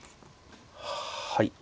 はい。